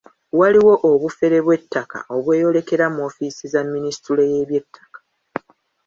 Waliwo obufere bw'ettaka obweyolekera mu ofiisa za minisitule y’eby'ettaka.